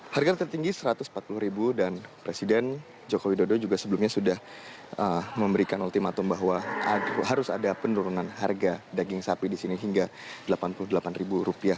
harga tertinggi satu ratus empat puluh ribu dan presiden jokowi dodo juga sebelumnya sudah memberikan ultimatum bahwa harus ada penurunan harga daging sapi disini hingga delapan puluh delapan ribu rupiah